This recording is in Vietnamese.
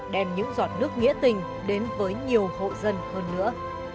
đem những giọt nước nghĩa tình đến với nhiều hộ dân hơn nữa